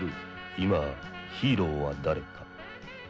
今ヒーローは誰か。